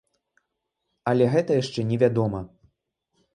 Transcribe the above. Але гэта яшчэ не вядома.